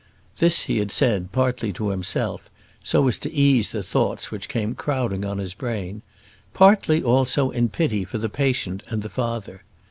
This he had said partly to himself, so as to ease the thoughts which came crowding on his brain; partly, also, in pity for the patient and the father.